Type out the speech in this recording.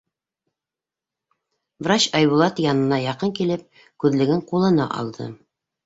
Врач Айбулат янына яҡын килеп, күҙлеген ҡулына алды.